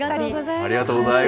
ありがとうございます。